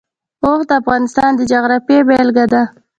اوښ د افغانستان د جغرافیې بېلګه ده.